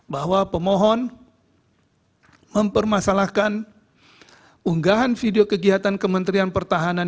bahwa pemohon mempermasalahkan unggahan video kegiatan kementerian pertahanan